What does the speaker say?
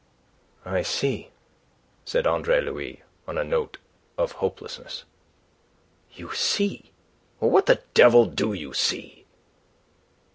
"I see," said Andre Louis, on a note of hopelessness. "You see? What the devil do you see?"